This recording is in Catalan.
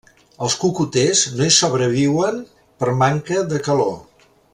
Els cocoters no hi sobreviuen per manca de calor.